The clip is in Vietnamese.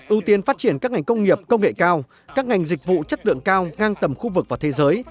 ưu tiên phát triển các ngành công nghiệp công nghệ cao các ngành dịch vụ chất lượng cao ngang tầm khu vực và thế giới